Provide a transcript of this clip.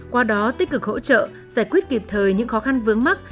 qua đó tích cực hỗ trợ giải quyết kịp thời những khó khăn vướng mắt